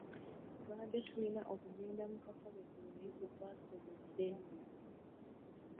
Twabadde tulina okugenda mu katale eggulo naye tetwasobodde.